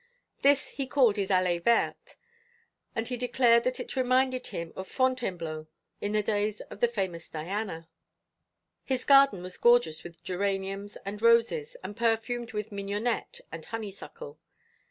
This he called his allée verte, and he declared that it reminded him of Fontainebleau in the days of the famous Diana. His garden was gorgeous with geraniums and roses, and perfumed with mignonette and honeysuckle.